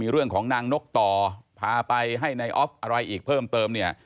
เรื่องของนางนกต่อพาไปให้นายออฟอะไรอีกเพิ่มเติมเนี่ย